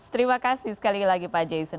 terima kasih sekali lagi pak jason